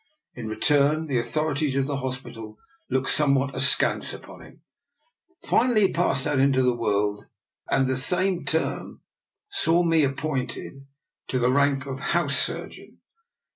In return, the authorities of the hospital looked somewhat askance upon him. Finally he passed out into the world, and the same term saw me appointed to the rank of House Surgeon.